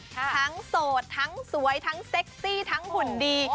ทั้งโสดทั้งสวยทั้งเซ็กซี่ทั้งหุ่นดี